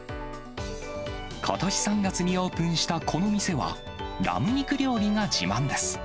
ことし３月にオープンしたこの店は、ラム肉料理が自慢です。